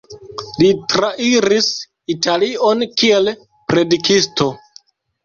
Li trairis Italion kiel predikisto.